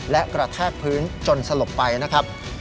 และกระแทกพื้นจนสลบไปนะครับ